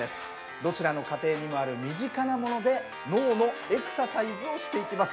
どちらの家庭にもある身近なもので脳のエクササイズをしていきます。